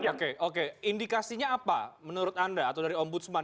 oke oke indikasinya apa menurut anda atau dari ombudsman